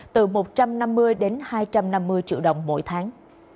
từ một trăm năm mươi đến hai trăm năm mươi triệu đồng mỗi tháng